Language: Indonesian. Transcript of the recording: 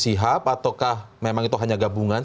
sihab ataukah memang itu hanya gabungan